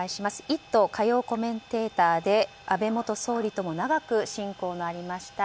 火曜コメンテーターで安倍元総理とも長く親交がありました